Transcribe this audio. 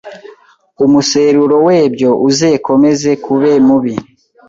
umuseruro webyo uzekomeze kube mubi